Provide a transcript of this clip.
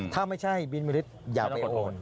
ถ้าไม่ใช่บินมริษฐ์อย่าไปโอน